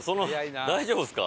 大丈夫ですか？